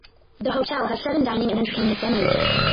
The hotel has seven dining and entertainment venues.